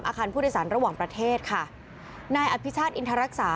อาคารผู้โดยสารระหว่างประเทศค่ะนายอภิชาติอินทรรักษา